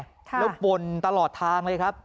แล้วบ่นตลอดทางเลยครับ